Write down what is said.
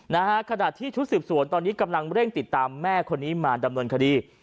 ขณะที่ชุดสืบสวนตอนนี้กำลังเร่งติดตามแม่คนนี้มาดำเนินคดี